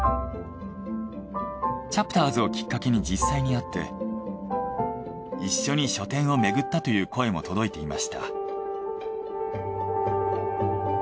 チャプターズをきっかけに実際に会って一緒に書店を巡ったという声も届いていました。